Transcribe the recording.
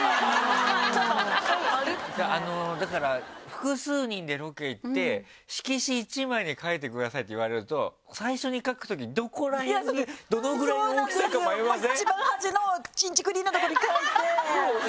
あのだから複数人でロケ行って「色紙１枚に書いてください」って言われると最初に書くときどこら辺にどのぐらいの大きさか迷いません？